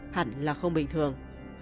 hẳn là không bình thường